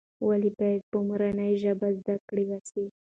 ولې باید په مورنۍ ژبه زده کړه وسي؟